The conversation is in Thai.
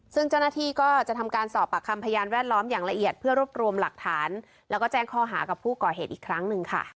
ซึ่งเจ้าหน้าที่ก็จะทำการสอบปากคำพยานแวดล้อมอย่างละเอียดเพื่อรวบรวมหลักฐานแล้วก็แจ้งข้อหากับผู้ก่อเหตุอีกครั้งหนึ่งค่ะ